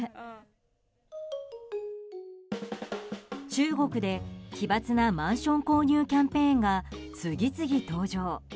中国で奇抜なマンション購入キャンペーンが次々登場。